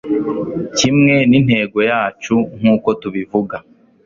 ikimwe nintego yacu nkuko tubivuga